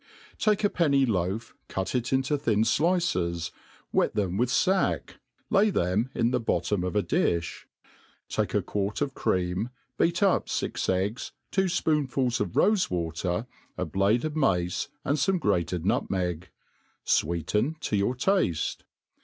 TAK£ a penny loaf, cut it Into thin flices, wet them with iktk, lay them th the bottom of a difli': take a quart of cream, beat up fix eggs, two fpoonfuls of rofe water, a blade of mace, and fome grated nutmeg. Sweeten to your tafte.